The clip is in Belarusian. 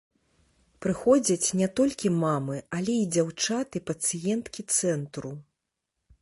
Прыходзяць не толькі мамы, але і дзяўчаты-пацыенткі цэнтру.